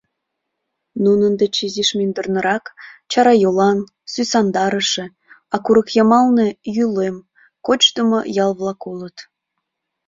— Нунын деч изиш мӱндырнырак Чарайолан, Сӱсандарыше, а курык йымалне Йӱлем, Кочдымо ял-влак улыт.